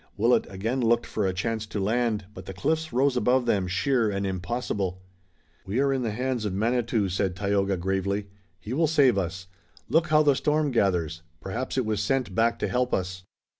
Willet again looked for a chance to land, but the cliffs rose above them sheer and impossible. "We are in the hands of Manitou," said Tayoga, gravely. "He will save us. Look, how the storm gathers! Perhaps it was sent back to help us."